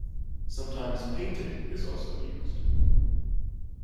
Sometimes "painted" is also used.